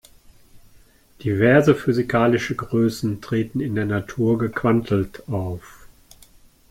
Diverse physikalische Größen treten in der Natur gequantelt auf.